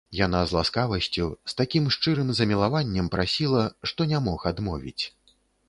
Яна з ласкавасцю, з такім шчырым замілаваннем прасіла, што не мог адмовіць.